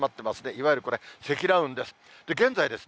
いわゆるこれ、積乱雲です。